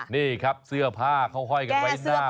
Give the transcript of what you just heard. นี่ครับเสื้อผ้าเขาห้อยกันไว้หน้า